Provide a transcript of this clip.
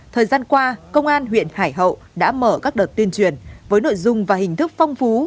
thời gian qua công an huyện hải hậu đã mở các đợt tuyên truyền với nội dung và hình thức phong phú